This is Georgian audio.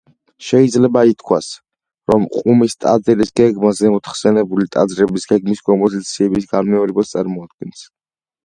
შეიძლება ითქვას, რომ ყუმის ტაძრის გეგმა ზემოთხსენებული ტაძრების გეგმის კომპოზიციების განმეორებას წარმოადგენს.